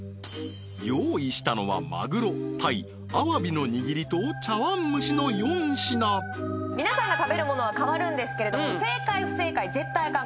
用意したのはまぐろ鯛あわびの握りと茶碗蒸しの４品皆さんが食べるものは変わるんですけれども正解不正解絶対アカン